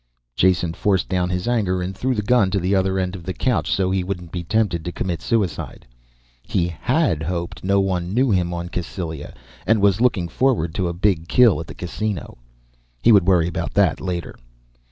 Jason forced down his anger and threw the gun to the other end of the couch so he wouldn't be tempted to commit suicide. He had hoped no one knew him on Cassylia and was looking forward to a big kill at the Casino. He would worry about that later.